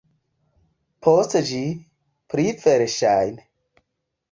Post ĝi, pli verŝajne.